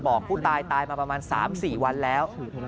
ผู้ตายตายมาประมาณ๓๔วันแล้ว